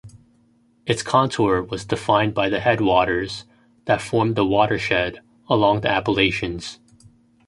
Its contour was defined by the headwaters that formed the watershed along the Appalachians.